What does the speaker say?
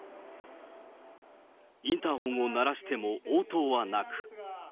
インターホンを鳴らしても応答はなく。